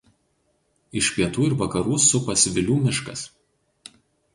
Iš pietų ir vakarų supa Svilių miškas.